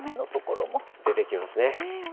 出てきますね。